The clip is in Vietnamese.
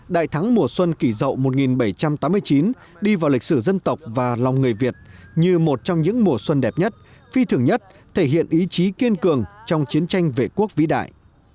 đại thắng mùa xuân kỷ dậu một nghìn bảy trăm tám mươi chín đi vào lịch sử dân tộc và lòng người việt như một trong những mùa xuân đẹp nhất phi thường nhất thể hiện ý chí kiên cường trong chiến tranh vệ quốc vĩ đại